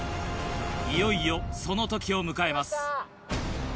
いよいよその時を迎えます。